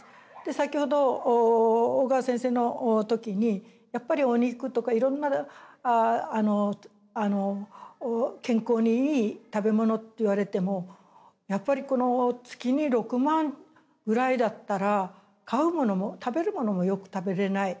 先ほど小川先生の時にやっぱりお肉とかいろんな健康にいい食べ物って言われてもやっぱりこの月に６万ぐらいだったら買うものも食べるものもよく食べれない。